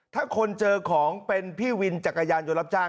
ถ้าคนเจอของเป็นพี่วินจักรยานยนต์รับจ้าง